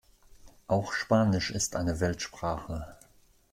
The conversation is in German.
Auch Spanisch ist eine Weltsprache.